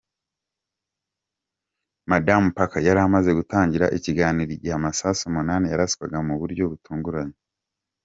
Madamu Parker yari amaze gutangira ikiganiro igihe amasasu umunani yaraswaga mu buryo butunguranye.